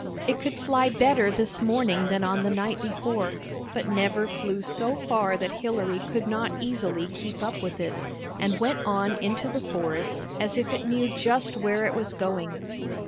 It could fly better this morning than on the night before, but never flew so far that Hilary could not easily keep up with it, and went on into the forest as if it knew just where it was going.